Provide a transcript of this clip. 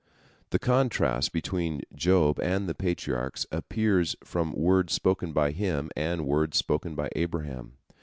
" The contrast between Job and the Patriarchs appears from words spoken by him and words spoken by Abraham.